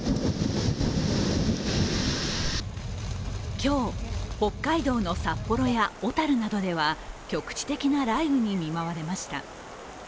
今日、北海道の札幌や小樽などでは局地的な雷雨に見舞われました。